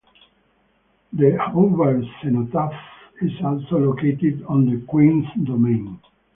The Hobart Cenotaph is also located on the Queens Domain.